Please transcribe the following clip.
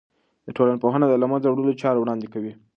د ټولنپوهنه د له منځه وړلو چاره وړاندې کوي.